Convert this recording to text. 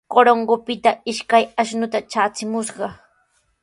Corongopita ishkay ashnuta traachimushqa.